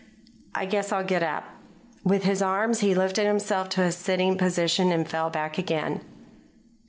"I guess I'll get up." With his arms he lifted himself to a sitting position, and fell back again.